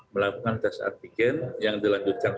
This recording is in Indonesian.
melakukan tes antigen yang dilanjutkan